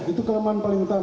itu kelemahan paling utama